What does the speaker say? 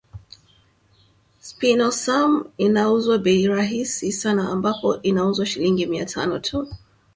Spinosam inauzwa bei rahisi sana ambapo inauzwa shilingi mia tano tu